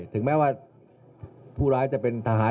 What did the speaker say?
ถึงแม้ว่าผู้ร้ายจะเป็นทหาร